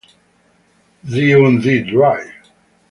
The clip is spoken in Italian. Sie und die Drei